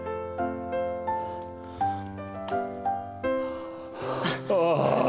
ああ。